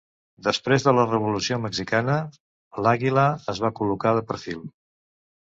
Després de la Revolució Mexicana l'àguila es va col·locar de perfil.